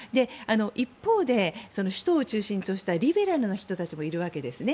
一方で首都を中心としたリベラルな人もいるわけですね。